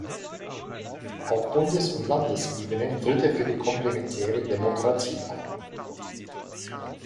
Auf Bundes- und Landesebene tritt er für die "Komplementäre Demokratie" ein.